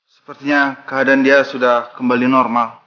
sepertinya keadaan dia sudah kembali normal